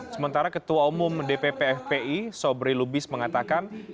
sementara ketua umum dpp fpi sobri lubis mengatakan